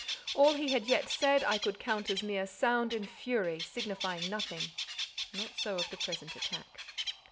All he had yet said, I could count as mere sound and fury, signifying nothing: not so of the present attack.